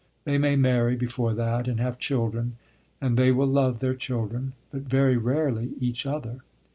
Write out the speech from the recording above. They may marry before that and have children; and they will love their children, but very rarely each other.